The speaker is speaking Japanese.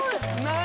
何？